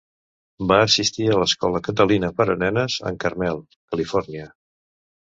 Va assistir a l'escola Catalina per a nenes en Carmel, Califòrnia.